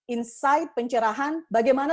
insight pencerahan bagaimana